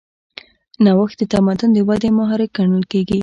نوښت د تمدن د ودې محرک ګڼل کېږي.